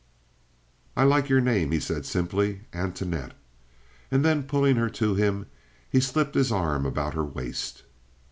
"I like your name," he said, simply. "Antoinette." And then, pulling her to him, he slipped his arm about her waist.